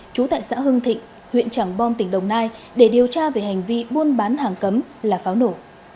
trú tại xã hưng thịnh huyện trảng bom tỉnh đồng nai để điều tra về hành vi buôn bán hàng cấm là pháo nổ